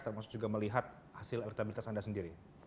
termasuk juga melihat hasil elektabilitas anda sendiri